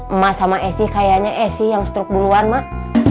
emas sama esy kayaknya esy yang struk duluan mak